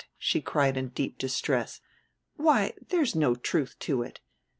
she cried in deep distress. "Why, there's no truth to it.